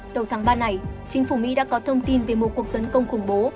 đầu tháng ba này chính phủ mỹ đã có thông tin về một cuộc tấn công khủng bố